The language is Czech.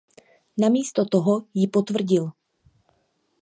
Namísto toho ji potvrdil.